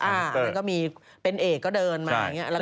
อันนั้นก็มีเป็นเอกก็เดินมาอย่างนี้